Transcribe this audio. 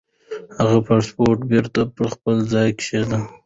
هغه پاسپورت بېرته پر خپل ځای کېښود.